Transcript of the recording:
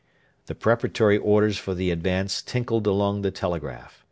The preparatory orders for the advance tinkled along the telegraph.